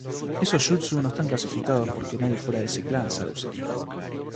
Esos jutsu no están clasificados porque nadie fuera de ese clan sabe usarlo.